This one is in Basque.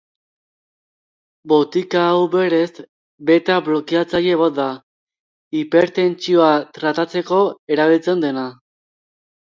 Botika hau berez, beta-blokeatzaile bat da, hipertentsioa tratatzeko erabiltzen dena.